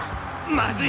まずい！